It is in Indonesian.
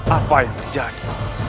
apa yang terjadi